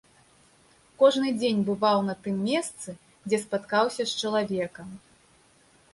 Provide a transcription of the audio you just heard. Кожны дзень бываў на тым месцы, дзе спаткаўся з чалавекам.